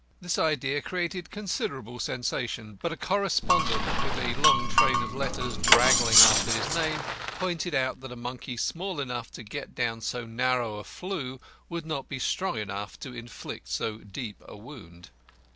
This idea created considerable sensation, but a correspondent with a long train of letters draggling after his name pointed out that a monkey small enough to get down so narrow a flue would not be strong enough to inflict so deep a wound.